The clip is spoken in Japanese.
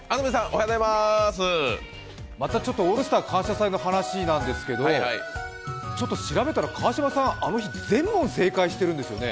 またちょっと「オールスター感謝祭」の話ですけど、調べたら川島さん、あの日、全問正解しているんですよね？